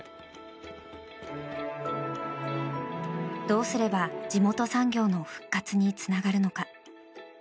どうすれば地元産業の復活につながるのか。